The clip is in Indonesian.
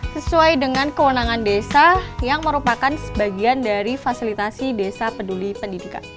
sesuai dengan kewenangan desa yang merupakan sebagian dari fasilitasi desa peduli pendidikan